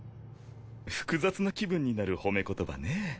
複雑な気分になる褒め言葉ね。